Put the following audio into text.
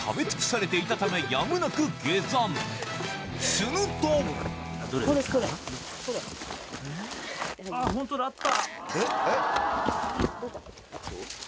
するとホントだあった！